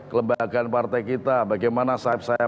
kelembagaan partai kita bagaimana sahib sahib